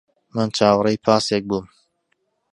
من چاوەڕێی پاسێک بووم.